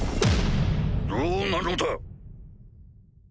どうなのだ！